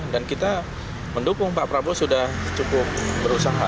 kita mendukung pak prabowo sudah cukup berusaha